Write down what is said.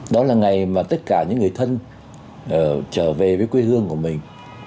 đó là ngày mà tất cả những người thân trở về với quê hương của mình